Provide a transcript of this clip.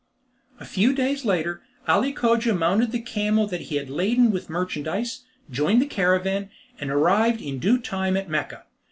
A few days later, Ali Cogia mounted the camel that he had laden with merchandise, joined the caravan, and arrived in due time at Mecca.